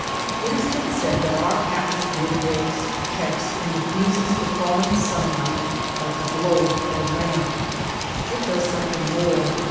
It has been said that our atmosphere breaks, checks, and diffuses the falling sunlight like the globe of a lamp. It does something more.